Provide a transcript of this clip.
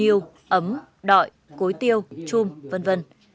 như là gốm niu ấm đọi cối tiêu chum v v